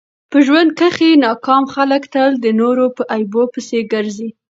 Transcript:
په ژوند کښي ناکام خلک تل د نور په عیبو پيسي ګرځي.